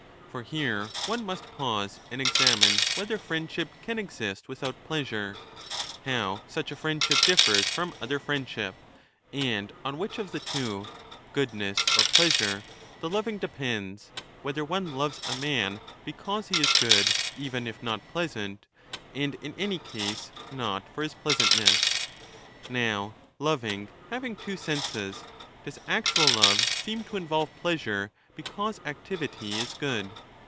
For here one must pause and examine whether friendship can exist 20 without pleasure, how such a friendship differs from other friendship, and on which of the two — goodness or pleasure — the loving depends, whether one loves a man because he is good even if not pleasant, and in any case not for his pleasant ness. Now, loving having two senses,^ does actual love seem to involve pleasure because activity is good